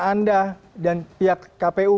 anda dan pihak kpu